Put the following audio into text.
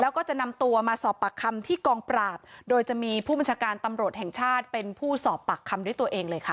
แล้วก็จะนำตัวมาสอบปากคำที่กองปราบโดยจะมีผู้บัญชาการตำรวจแห่งชาติเป็นผู้สอบปากคำด้วยตัวเองเลยค่ะ